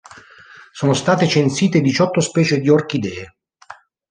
Sono state censite diciotto specie di orchidee.